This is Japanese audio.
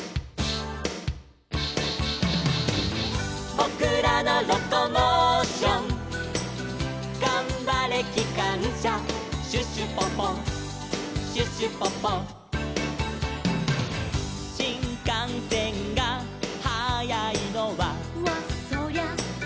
「ぼくらのロコモーション」「がんばれきかんしゃ」「シュシュポポシュシュポポ」「しんかんせんがはやいのは」